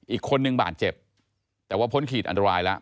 อีกคนนึงบาดเจ็บแต่ว่าพ้นขีดอันตรายแล้ว